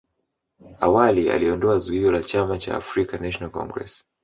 awali aliondoa zuio la chama cha African national Congress